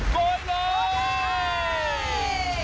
กดเลย